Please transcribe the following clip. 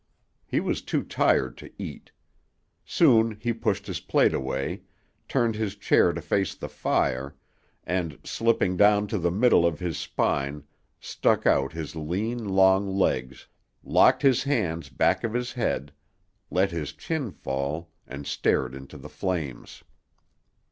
He was too tired to eat. Soon he pushed his plate away, turned his chair to face the fire, and, slipping down to the middle of his spine, stuck out his lean, long legs, locked his hands back of his head, let his chin fall, and stared into the flames.